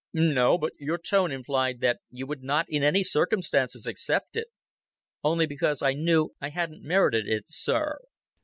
"No, but your tone implied that you would not in any circumstances accept it." "Only because I knew I hadn't merited it, sir."